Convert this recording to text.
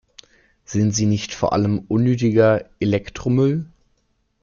Sind sie nicht vor allem unnötiger Elektromüll?